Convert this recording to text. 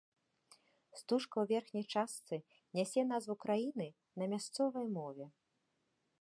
Стужка ў верхняй частцы нясе назву краіны на мясцовай мове.